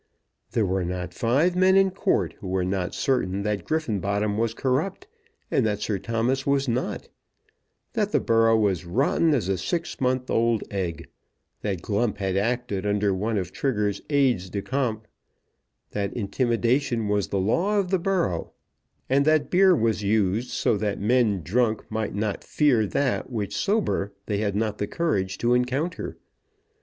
There were not five men in court who were not certain that Griffenbottom was corrupt, and that Sir Thomas was not; that the borough was rotten as a six months old egg; that Glump had acted under one of Trigger's aides de camp; that intimidation was the law of the borough; and that beer was used so that men drunk might not fear that which sober they had not the courage to encounter.